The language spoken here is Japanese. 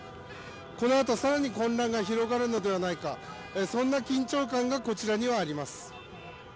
この後さらに混乱が広がるのではないかそんな緊張感がこちらにはあります。